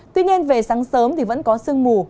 tuy nhiên về sáng sớm thì vẫn có sương mù